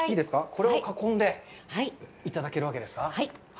これを囲んでいただけるわけですか。